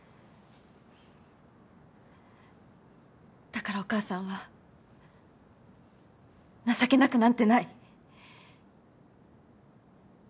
だからお母さんは情けなくなんてない。